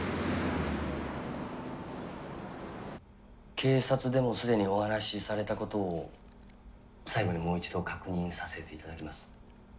警察でも既にお話しされたことを最後にもう一度確認させて頂きます。